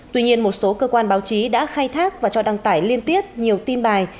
tuy nhiên một số cơ quan báo chí đã khai thác và cho đăng tải liên tiếp nhiều tin bài